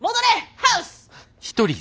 ハウス！